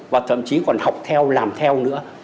và thậm chí còn học theo làm theo nữa